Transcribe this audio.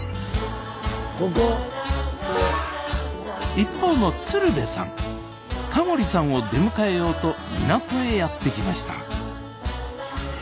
一方の鶴瓶さんタモリさんを出迎えようと港へやってきました